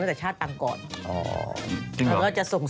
โอลี่คัมรี่ยากที่ใครจะตามทันโอลี่คัมรี่ยากที่ใครจะตามทัน